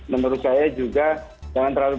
menurut saya juga jangan terlalu